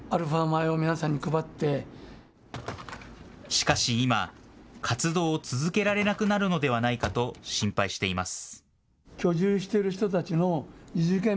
しかし、今、活動を続けられなくなるのではないかと心配しています。